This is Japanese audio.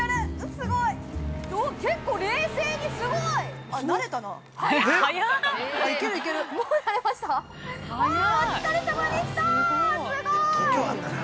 すごい。結構冷静に、すごい！◆あっ、なれたな。